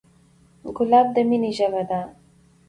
ګلاب د مینې ژبه ده.